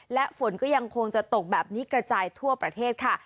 และฝนก็ยังคงจะตกแบบนี้กระจายทั่วประเทศค่ะ